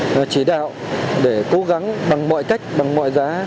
và chỉ đạo để cố gắng bằng mọi cách bằng mọi giá